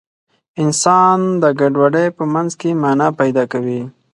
انسان د ګډوډۍ په منځ کې مانا پیدا کوي.